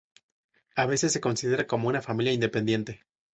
A veces se considera como una familia independiente.